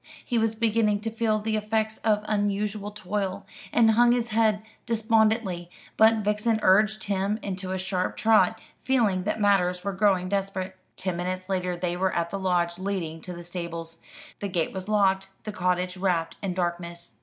He was beginning to feel the effects of unusual toil, and hung his head despondently; but Vixen urged him into a sharp trot, feeling that matters were growing desperate. Ten minutes later they were at the lodge leading to the stables. The gate was locked, the cottage wrapped in darkness.